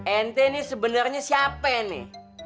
ente nih sebenarnya siapanya